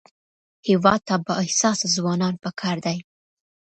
هېواد ته بااحساسه ځوانان پکار دي